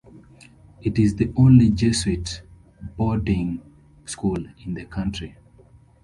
It is the only Jesuit boarding school in the country.